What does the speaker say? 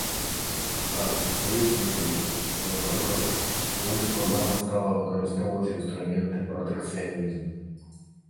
Так, ёсць выклікі, напрыклад, больш складана стала выкарыстоўваць інструменты пратэкцыянізму.